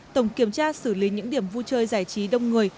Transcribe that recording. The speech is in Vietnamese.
tổng kiểm tra xử lý những điểm vui chơi giải trí đông người